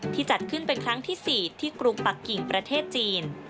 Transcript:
จัดขึ้นเป็นครั้งที่๔ที่กรุงปักกิ่งประเทศจีน